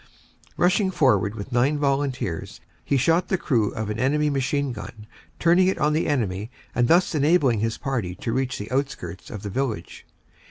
Rushing forward with nine volunteers, he shot the crew of an enemy machine gun, turning it on the enemy and thus enabling his party to reach the outskirts of the village.